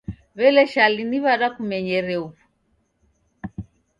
W'ele Shali ni w'ada kumenyere huw'u?